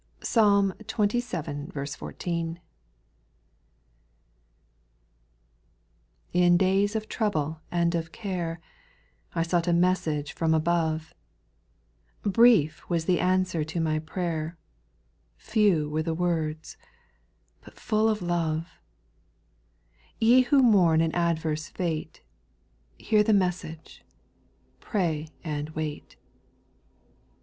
Psalm xxvii. 14. 1. / TN days of trouble and of care, X I sought a message from above, Brief was the answer to my prayer, Few were tlie words, but full of love — Ye who mourn an adverse fate, Hear the message —" Pray and wait."